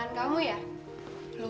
ini aku kesana